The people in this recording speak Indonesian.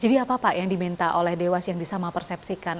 jadi apa pak yang diminta oleh dewas yang disamapersepsikan